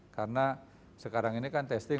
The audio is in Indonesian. karena sekarang ini kan testing